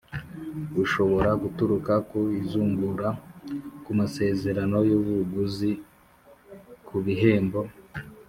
ushobora guturuka ku izungura, ku masezerano y'ubuguzi, ku bihembo